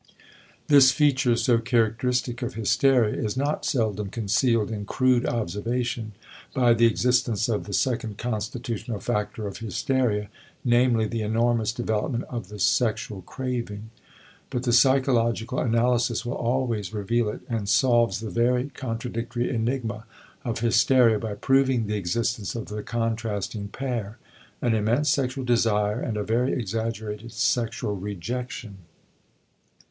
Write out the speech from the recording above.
This feature, so characteristic of hysteria, is not seldom concealed in crude observation by the existence of the second constitutional factor of hysteria, namely, the enormous development of the sexual craving. But the psychological analysis will always reveal it and solves the very contradictory enigma of hysteria by proving the existence of the contrasting pair, an immense sexual desire and a very exaggerated sexual rejection.